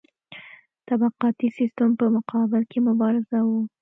طبقاتي سیستم په مقابل کې مبارزه وه.